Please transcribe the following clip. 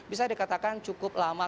bisa dikatakan cukup lama